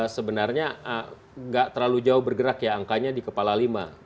sebenarnya nggak terlalu jauh bergerak ya angkanya di kepala lima